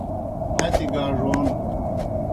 ہتیْ گاڙون